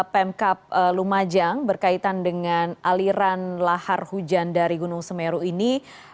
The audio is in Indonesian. terima kasih pak patria untuk berkongsi tentang aliran lahar hujan dari gunung semeru ini